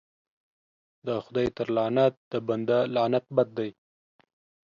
د خداى تر لعنت د بنده لعنت بد دى.